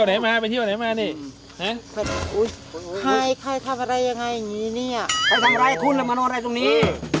ใครทำอะไรคุณมานอนไหนตรงนี้